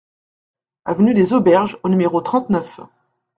Avenue des Auberges au numéro trente-neuf